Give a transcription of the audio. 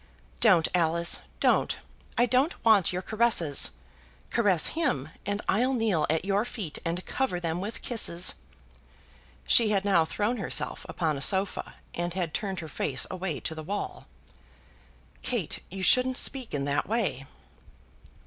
Don't Alice, don't; I don't want your caresses. Caress him, and I'll kneel at your feet and cover them with kisses." She had now thrown herself upon a sofa, and had turned her face away to the wall. "Kate, you shouldn't speak in that way."